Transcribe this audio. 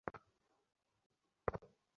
আমি এখানকার তত্ত্বাবধায়ক।